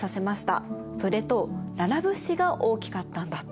それとララ物資が大きかったんだって。